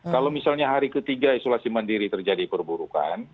kalau misalnya hari ketiga isolasi mandiri terjadi perburukan